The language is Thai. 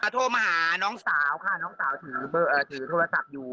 โทรมาหาน้องสาวค่ะน้องสาวถือโทรศัพท์อยู่